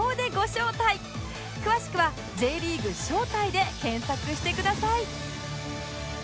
詳しくは「Ｊ リーグ招待」で検索してください